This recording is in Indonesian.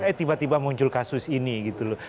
eh tiba tiba muncul kasus ini gitu loh